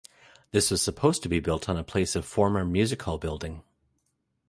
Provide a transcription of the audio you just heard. This was supposed to be built on a place of former music-hall building.